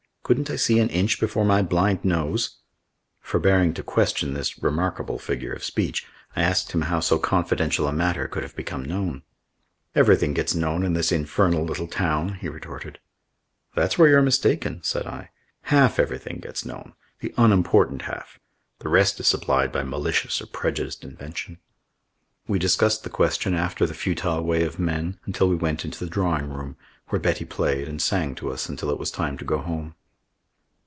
Couldn't I see an inch before my blind nose? Forbearing to question this remarkable figure of speech, I asked him how so confidential a matter could have become known. "Everything gets known in this infernal little town," he retorted. "That's where you're mistaken," said I. "Half everything gets known the unimportant half. The rest is supplied by malicious or prejudiced invention." We discussed the question after the futile way of men until we went into the drawing room, where Betty played and sang to us until it was time to go home.